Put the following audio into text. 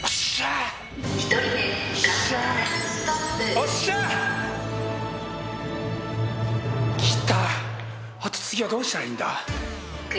あと次はどうしたらいいんだ？